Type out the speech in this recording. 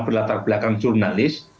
berlatar belakang jurnalis